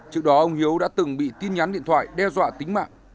trước đó ông hiếu đã từng bị tin nhắn điện thoại đe dọa tính mạng